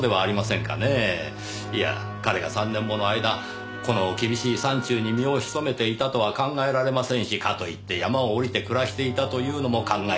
いやあ彼が３年もの間この厳しい山中に身を潜めていたとは考えられませんしかといって山を下りて暮らしていたというのも考えにくい。